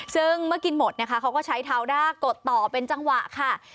ซึ่งเมื่อกินหมดนะคะเขาก็ใช้เท้าด้ากดต่อเป็นจังหวะค่ะ